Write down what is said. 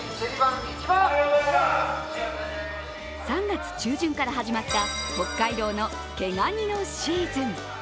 ３月中旬から始まった、北海道の毛ガニのシーズン。